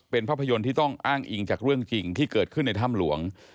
เป็นภาพยนตร์ที่ต้องอ้างอิงจากเรื่องจริงที่เกิดขึ้นในถ้ำหลวง